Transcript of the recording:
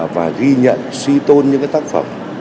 và ghi nhận suy tôn những tác phẩm